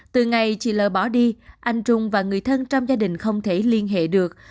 từ ngày chị l bỏ đi anh trung và người thân trong gia đình không thể liên hệ được